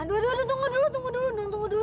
aduh aduh aduh tunggu dulu tunggu dulu tunggu dulu